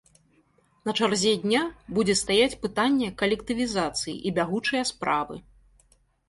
На чарзе дня будзе стаяць пытанне калектывізацыі і бягучыя справы.